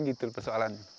jadi mungkin gitu persoalannya